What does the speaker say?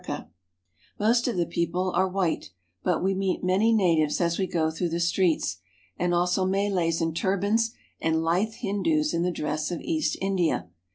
Wb find Cape Town wi Most of the people are white ; but we meet many natives as we go through the streets, and also Malays in turbans and lithe Hindoos in the dress of East India.